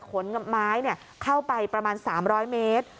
ไม้เข้าไปประมาณ๓๐๐เมตร